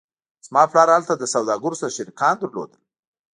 زما پلار هلته له سوداګرو سره شریکان درلودل